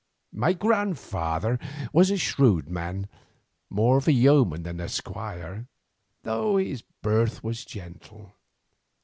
My grandfather was a shrewd man, more of a yeoman than a squire, though his birth was gentle.